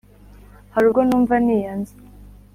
Hari ubwo numva niyanze